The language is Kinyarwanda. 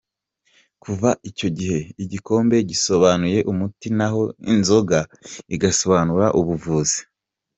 Kuva icyo gihe igikombe gisobanuye umuti naho inzoka igasobanura ubuvuzi.